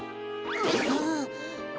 ああ。